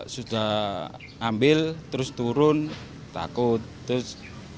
sudah ambil terus turun takut terus